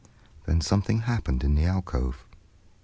Then something happened in the alcove.